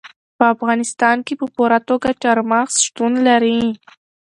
په افغانستان کې په پوره توګه چار مغز شتون لري.